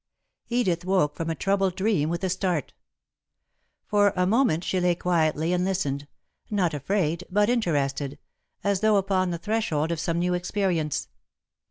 Edith woke from a troubled dream with a start. For a moment she lay quietly and listened, not afraid, but interested, as though upon the threshold of some new experience.